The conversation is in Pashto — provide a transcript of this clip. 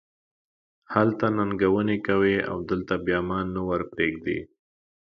هلته ننګونې کوې او دلته بیا ما نه ور پرېږدې.